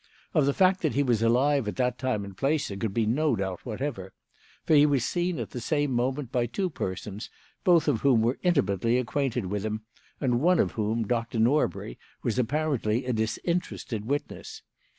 Of the fact that he was alive at that time and place there could be no doubt whatever; for he was seen at the same moment by two persons, both of whom were intimately acquainted with him, and one of whom, Doctor Norbury, was apparently a disinterested witness.